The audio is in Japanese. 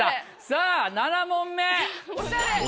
さぁ７問目！